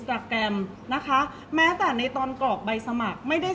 เพราะว่าสิ่งเหล่านี้มันเป็นสิ่งที่ไม่มีพยาน